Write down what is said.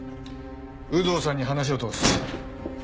有働さんに話を通す。